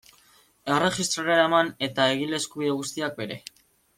Erregistrora eraman eta egile eskubide guztiak bere.